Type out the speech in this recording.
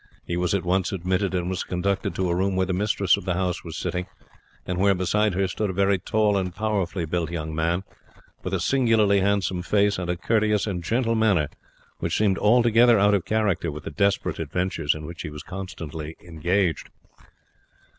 He was at once admitted, and was conducted to a room where the mistress of the house was sitting, and where beside her stood a very tall and powerfully built young man, with a singularly handsome face and a courteous and gentle manner which seemed altogether out of character with the desperate adventures in which he was constantly engaged.